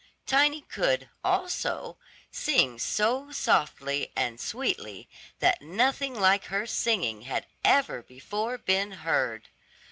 Tiny could, also, sing so softly and sweetly that nothing like her singing had ever before been heard.